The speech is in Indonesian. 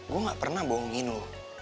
gue gak pernah bohongin loh